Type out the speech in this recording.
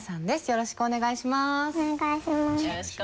よろしくお願いします。